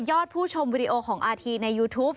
ผู้ชมวิดีโอของอาทีในยูทูป